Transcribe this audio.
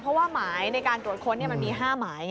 เพราะว่าหมายในการตรวจค้นมันมี๕หมาย